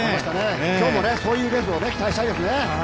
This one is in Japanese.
今日もそういうレースを期待したいですね。